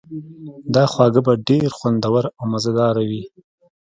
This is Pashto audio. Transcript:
دا خواړه به ډیر خوندور او مزه دار وي